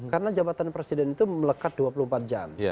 karena jabatan presiden itu melekat dua puluh empat jam